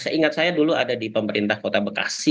seingat saya dulu ada di pemerintah kota bekasi